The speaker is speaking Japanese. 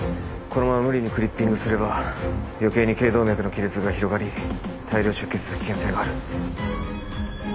このまま無理にクリッピングすれば余計に頸動脈の亀裂が広がり大量出血する危険性がある。